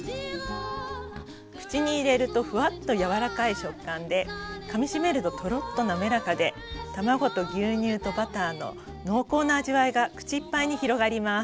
口に入れるとふわっと柔らかい食感でかみしめるととろっとなめらかで卵と牛乳とバターの濃厚な味わいが口いっぱいに広がります。